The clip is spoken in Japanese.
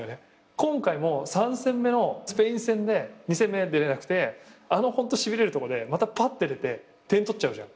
今回も３戦目のスペイン戦で２戦目出れなくてあのホントしびれるとこでまたぱって出て点取っちゃうじゃん。